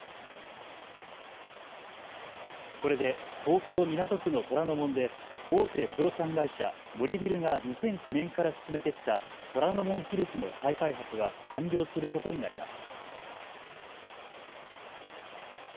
これで東京港区の虎ノ門で大手不動産会社、森ビルが２００９年から進めてきた虎ノ門ヒルズの再開発は完了することになります。